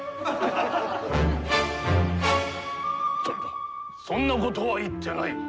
そんなそんなことは言ってない。